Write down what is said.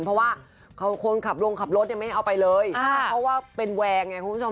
เพราะว่าคนขับลงขับรถเนี่ยไม่เอาไปเลยเพราะว่าเป็นแวงไงคุณผู้ชม